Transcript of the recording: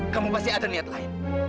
kamu pasti ada niat lain